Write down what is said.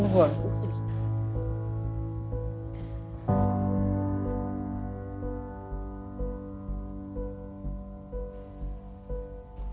หนูห่วงสินะ